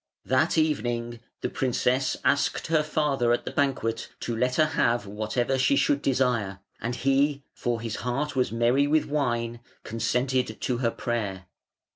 That evening the princess asked her father at the banquet to let her have whatever she should desire, and he, for his heart was merry with wine, consented to her prayer.